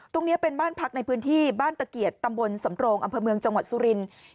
ตรงเนี้ยเป็นบ้านพักในพื้นที่บ้านตะเกียจตำบลสำโตรงอำเภาจังหวัดซุรินในมาตรี